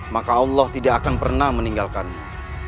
maka allah tidak akan pernah meninggalkanmu